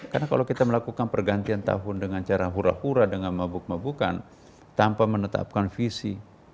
karena kalau kita melakukan pergantian tahun dengan cara hura hura dengan mabuk mabukan tanpa menetapkan visi